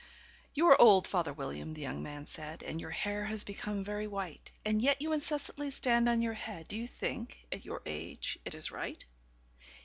"YOU are old, father William," the young man said, "And your hair has become very white; And yet you incessantly stand on your head Do you think, at your age, it is right?